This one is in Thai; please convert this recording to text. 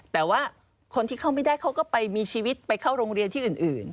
แต่ว่าคนที่เข้าไม่ได้เขาก็ไปมีชีวิตไปเข้าโรงเรียนที่อื่น